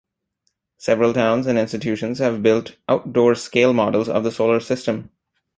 Several towns and institutions have built outdoor scale models of the Solar System.